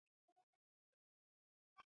افغانستان کې بدخشان د چاپېریال د تغیر نښه ده.